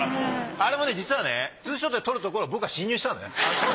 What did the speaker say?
あれもね実はねツーショットで撮るところを僕が侵入したのね。